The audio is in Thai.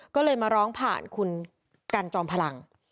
ก็เลยมาร้องผ่านคุณกันจอมพลัง